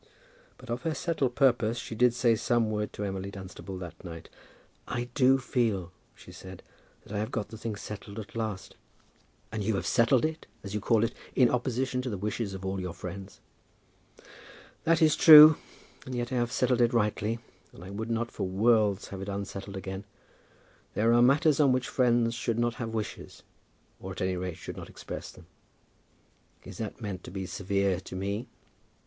But of her settled purpose she did say some word to Emily Dunstable that night. "I do feel," she said, "that I have got the thing settled at last." "And you have settled it, as you call it, in opposition to the wishes of all your friends?" "That is true; and yet I have settled it rightly, and I would not for worlds have it unsettled again. There are matters on which friends should not have wishes, or at any rate should not express them." "Is that meant to be severe to me?"